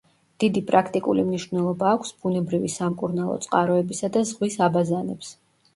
დიდი პრაქტიკული მნიშვნელობა აქვს ბუნებრივი სამკურნალო წყაროებისა და ზღვის აბაზანებს.